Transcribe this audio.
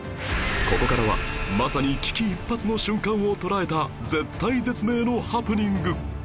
ここからはまさに危機一髪の瞬間を捉えた絶体絶命のハプニング